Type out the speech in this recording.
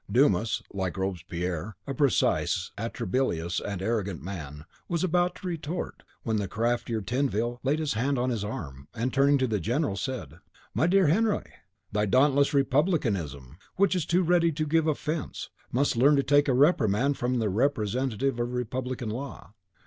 Dumas, like Robespierre, a precise atrabilious, and arrogant man, was about to retort, when the craftier Tinville laid his hand on his arm, and, turning to the general, said, "My dear Henriot, thy dauntless republicanism, which is too ready to give offence, must learn to take a reprimand from the representative of Republican Law.